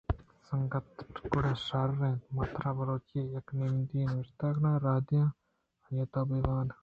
سنگت، گُڑا شر اِنت من ترا بلوچی ءَ یک نمدی یے نبشتہ کنان ءُ راہ دے آں تو بہ وان ئے